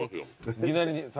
いきなり酒？